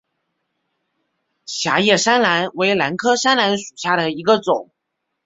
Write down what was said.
狭叶山兰为兰科山兰属下的一个种。